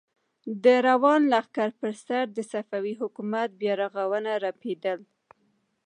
د روان لښکر پر سر د صفوي حکومت بيرغونه رپېدل.